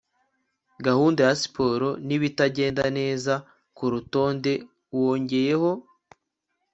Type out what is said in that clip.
gahunda ya siporo nibitagenda neza kurutonde wongeyeho –